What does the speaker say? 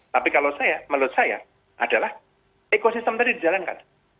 tapi kalau saya menurut saya adalah ekosistem tadi dijalankan